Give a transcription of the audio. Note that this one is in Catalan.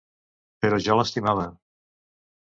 Però jo l'estimava.